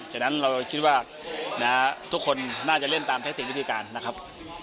ฉะนั้นเราคิดว่าทุกคนน่าจะเล่นตามแทคติกวิธีการนะครับ